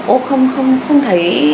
ô không không không thấy